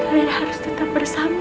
kalian harus tetap bersama